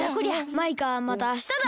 マイカまたあしただ。